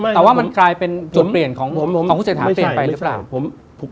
แต่ว่ามันกลายเป็นจุดเปลี่ยนของคุณเศรษฐาเปลี่ยนไปหรือเปล่า